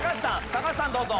高橋さんどうぞ。